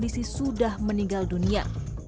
sudah meninggal dunia